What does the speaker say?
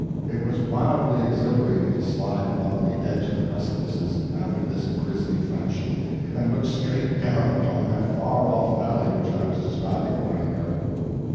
It was wildly exhilarating to slide along the edge of the precipices, after this grisly fashion, and look straight down upon that far off valley which I was describing a while ago.